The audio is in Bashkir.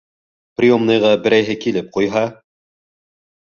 Приемныйға берәйһе килеп ҡуйһа?